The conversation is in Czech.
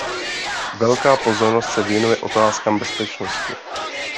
Velká pozornost se věnuje otázkám bezpečnosti.